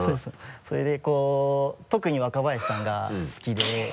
それで特に若林さんが好きで。